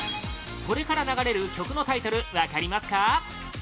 これから流れる曲のタイトル分かりますか？